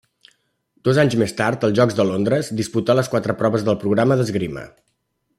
Dos anys més tard, als Jocs de Londres, disputà les quatre proves del programa d'esgrima.